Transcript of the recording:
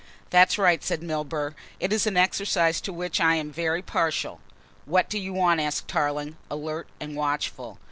"That's right," said Milburgh, "it is an exercise to which I am very partial." "What do you want?" asked Tarling, alert and watchful.